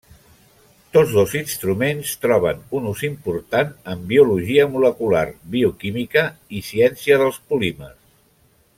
Tots dos instruments troben un ús important en biologia molecular, bioquímica i ciència dels polímers.